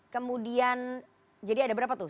kemudian jadi ada berapa tuh